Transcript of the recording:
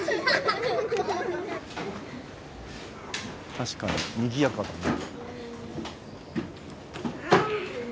確かににぎやかだな。